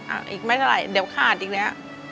อ่ะอีกไม่จะไหลเดี๋ยวขาดอีกแล้ว